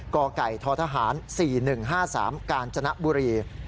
กไก่ททหาร๔๑๕๓กาญจนบุรี